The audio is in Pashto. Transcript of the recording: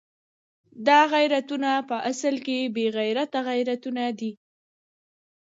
دا غیرتونه په اصل کې بې غیرته غیرتونه دي.